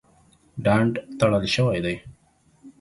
ډنډ تړل شوی دی.